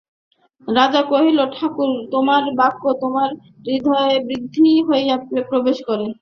রাজা কহিলেন, ঠাকুর, তোমার বাক্য আমার হৃদয়ে বিদ্ধ হইয়া প্রবেশ করে।